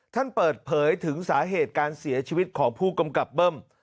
ท่านเปิดเผยถึงสาเหตุการเสียชีวิตของผู้กำกับเบิ้ม